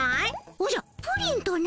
おじゃプリンとな？